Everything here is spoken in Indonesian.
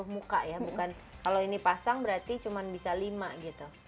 muka ya bukan kalau ini pasang berarti cuma bisa lima gitu